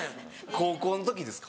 高校の時ですか？